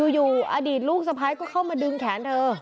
อยู่อดีตลูกสะพ้ายก็เข้ามาดึงแขนเธอ